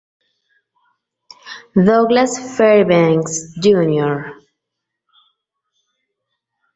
Douglas Fairbanks, Jr.